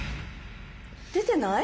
出てない？